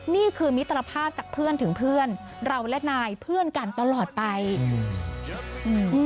นี่คือมิตรภาพจากเพื่อนถึงเพื่อนเราและนายเพื่อนกันตลอดไปอืม